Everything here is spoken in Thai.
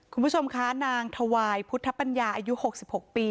คุณผู้ชมคะนางถวายพุทธปัญญาอายุ๖๖ปี